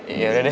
iya udah deh